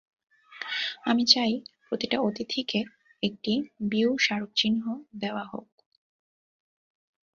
আমি চাই প্রতিটা অতিথিকে একটি বিঊ স্মারকচিহ্ন দেওয়া হউক।